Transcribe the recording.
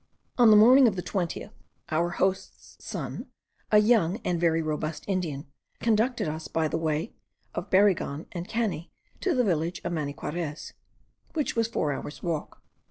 On the morning of the 20th our host's son, a young and very robust Indian, conducted us by the way of Barigon and Caney to the village of Maniquarez, which was four hours' walk.